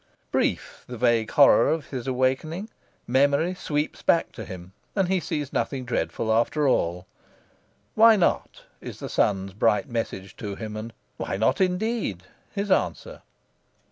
Brief the vague horror of his awakening; memory sweeps back to him, and he sees nothing dreadful after all. "Why not?" is the sun's bright message to him, and "Why not indeed?" his answer.